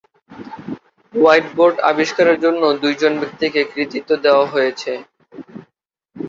White board আবিষ্কারের জন্য দুইজন ব্যক্তিকে কৃতিত্ব দেয়া হয়েছে।